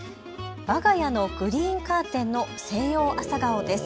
わが家のグリーンカーテンの西洋アサガオです。